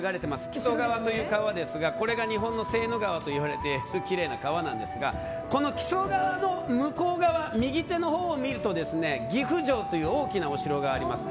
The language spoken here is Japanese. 木曽川という川ですが日本のセーヌ川といわれるきれいな川なんですがこの木曽川の向こう側右手のほうを見ると岐阜城という大きなお城があります。